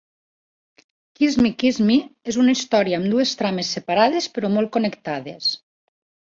"Kiss Me, Kiss Me" és una història amb dues trames separades, però molt connectades.